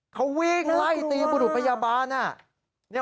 เขาวิ่งไล่ตีบุรุษพยาบาล